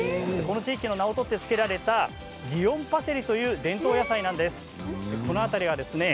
この地域の名を取って作られた祇園パセリという伝統野菜です。